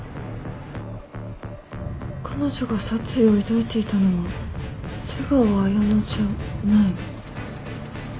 彼女が殺意を抱いていたのは瀬川綾乃じゃない。